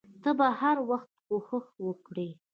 ته به هر وخت کوښښ وکړې.